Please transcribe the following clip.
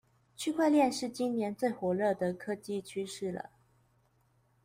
區塊鏈是今年最火熱的科技趨勢了